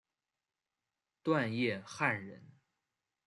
段业汉人。